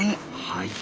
はい。